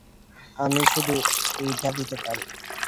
আমি শুধু এইটা দিতে পারি।